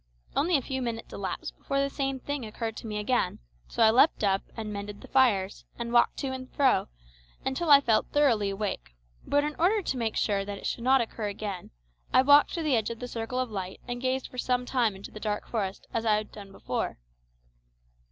Only a few minutes elapsed before the same thing occurred to me again, so I leaped up, and mended the fires, and walked to and fro, until I felt thoroughly awake, but in order to make sure that it should not occur again, I walked to the edge of the circle of light and gazed for some time into the dark forest, as I had done before.